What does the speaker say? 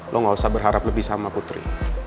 lo gausah berharap lebih sama putri